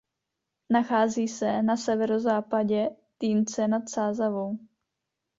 Nachází se na severozápadě Týnce nad Sázavou.